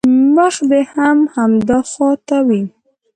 مخ دې هم همدې خوا ته وي.